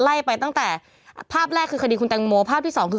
ไล่ไปตั้งแต่ภาพแรกคือคือ